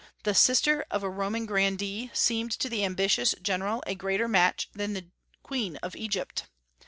The sister of a Roman grandee seemed to the ambitious general a greater match than the Queen of Egypt.